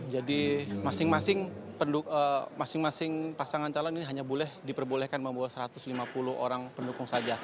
jadi masing masing pasangan calon ini hanya boleh diperbolehkan membawa satu ratus lima puluh orang pendukung saja